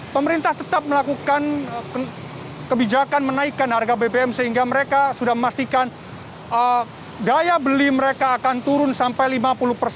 pemerintah tetap melakukan kebijakan menaikkan harga bbm sehingga mereka sudah memastikan daya beli mereka akan turun sampai lima puluh persen